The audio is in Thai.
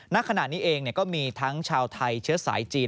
ณขณะนี้เองก็มีทั้งชาวไทยเชื้อสายจีน